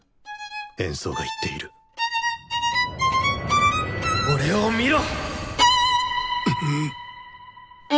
演奏が言っている俺を見ろ！